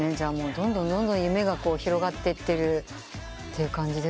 どんどんどんどん夢が広がってってる感じですね。